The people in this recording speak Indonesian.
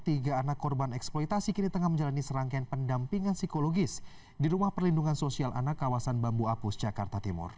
tiga anak korban eksploitasi kini tengah menjalani serangkaian pendampingan psikologis di rumah perlindungan sosial anak kawasan bambu apus jakarta timur